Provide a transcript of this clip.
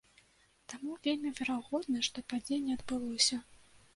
Таму вельмі верагодна, што падзенне адбылося.